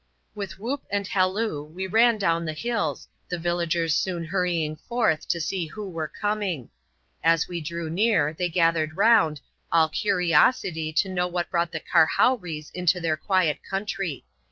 With whoop and halloo, we ran down the hills, the villagers soon hurrying forth to see who were coming. As we drew near, they gathered round, all curiosity to know what brought the " karhowries " into their quiet country.